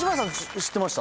知ってました？